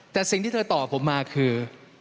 แต่สิ่งที่เธอตอบผมมาคือ